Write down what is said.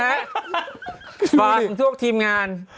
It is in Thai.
ซึ่งส่วนทรูปทีมงาน